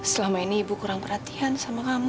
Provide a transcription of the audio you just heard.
selama ini ibu kurang perhatian sama kamu